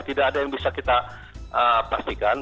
tidak ada yang bisa kita pastikan